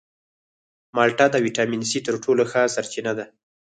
مالټه د ویټامین سي تر ټولو ښه سرچینه ده.